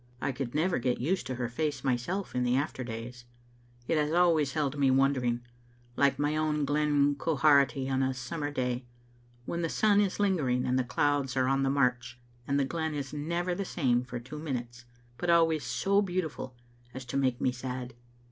I could never get used to her face myself in the after days. It has always held me wondering, like my own Glen Quharity on a sum mer day, when the sun is lingering and the clouds are on the march, and the glen is never the same for two minutes, but always so beautiful as to make me sad.